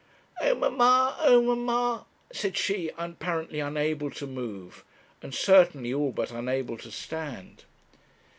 'Oh, mamma! oh, mamma!' said she, apparently unable to move, and certainly all but unable to stand.